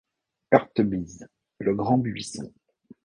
Heurtebise, le Grand Buisson.